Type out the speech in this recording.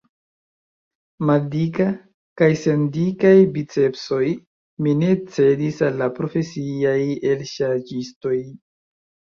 Maldika, kaj sen dikaj bicepsoj, mi ne cedis al la profesiaj elŝarĝistoj.